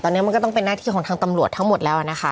ตอนนี้มันก็ต้องเป็นหน้าที่ของทางตำรวจทั้งหมดแล้วนะคะ